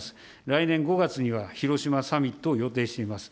来年５月には広島サミットを予定しています。